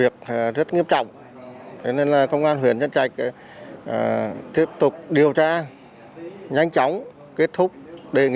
trong thời gian ngắn công an huyện nhân rạch đã tiến hành bắt khẩn cấp năm đối tượng